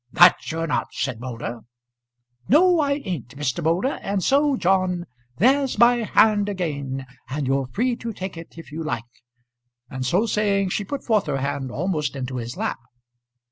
"That you're not," said Moulder. "No I ain't, Mr. Moulder, and so, John, there's my hand again, and you're free to take it if you like." And so saying she put forth her hand almost into his lap.